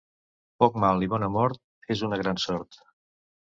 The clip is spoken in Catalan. Poc mal i bona mort és una gran sort.